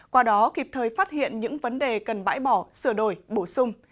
qua đó kịp thời phát hiện những vấn đề cần bãi bỏ sửa đổi bổ sung